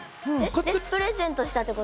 プレゼントしたってこと？